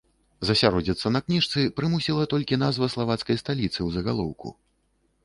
Засяродзіцца на кніжцы прымусіла толькі назва славацкай сталіцы ў загалоўку.